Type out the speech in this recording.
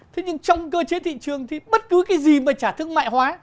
thế nhưng trong cơ chế thị trường thì bất cứ cái gì mà chả thương mại hóa